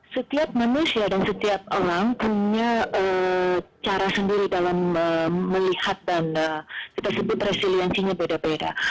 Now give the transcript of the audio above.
setiap manusia dan setiap orang punya cara sendiri dalam melihat dan kita sebut resiliensinya beda beda